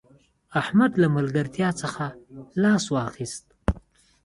احمد له ملګرتیا څخه لاس واخيست